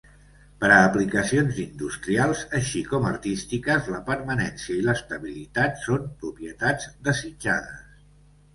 Per a aplicacions industrials, així com artístiques, la permanència i l'estabilitat són propietats desitjades.